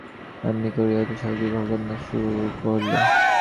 এমনি করিয়া অতি সহজেই ঘরকন্না শুরু হইল।